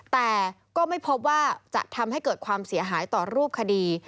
แต่ก็ไม่พบว่าจะทำให้เกิดความเสียหายต่อรูปคดี